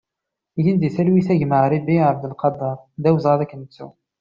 Gen di talwit a gma Aribi Abdelkader, d awezɣi ad k-nettu!